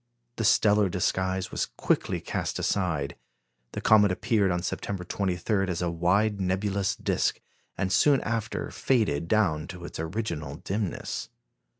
The stellar disguise was quickly cast aside. The comet appeared on September 23 as a wide nebulous disc, and soon after faded down to its original dimness.